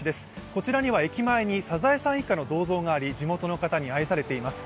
こちらには駅前にサザエさん一家の銅像があり地元の方に愛されています。